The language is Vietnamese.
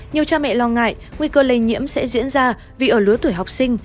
nhiều cha mẹ lo ngại nguy cơ lây nhiễm sẽ diễn ra vì ở lứa tuổi học sinh